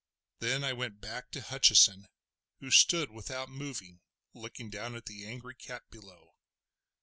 Then I went back to Hutcheson, who stood without moving, looking down on the angry cat below.